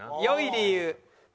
良い理由。